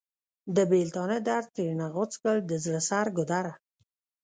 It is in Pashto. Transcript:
د بیلتانه درد ترېنه غوڅ کړ د زړه سر ګودره!